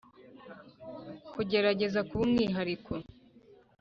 kugerageza kuba umwihariko.